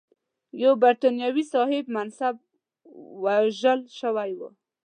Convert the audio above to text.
یو برټانوي صاحب منصب وژل شوی و.